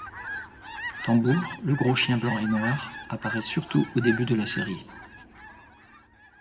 Tambour, le gros chien blanc et noir, apparaît surtout au début de la série.